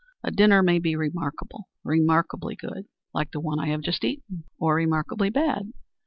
A dinner may be remarkable remarkably good, like the one I have just eaten, or remarkably bad.